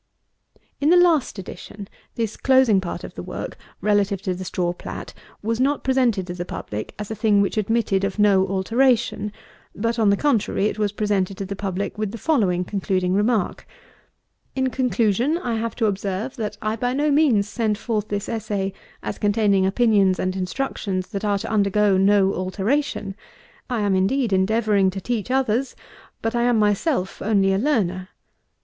223. In the last edition, this closing part of the work, relative to the straw plat, was not presented to the public as a thing which admitted of no alteration; but, on the contrary, it was presented to the public with the following concluding remark: "In conclusion I have to observe, that I by no means send forth this essay as containing opinions and instructions that are to undergo no alteration. I am, indeed, endeavouring to teach others; but I am myself only a learner.